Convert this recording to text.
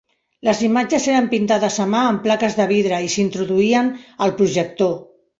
Les imatges eren pintades a mà en plaques de vidre i s'introduïen al projector.